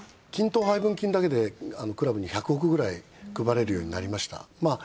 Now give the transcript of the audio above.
均等配分金だけでクラブに１００億くらい配れるようになりました。